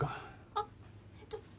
あっえっと